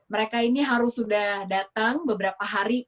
mereka ini harus sudah datang beberapa hari